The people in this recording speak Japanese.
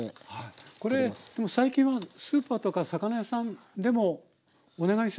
これ最近はスーパーとか魚屋さんでもお願いすれば。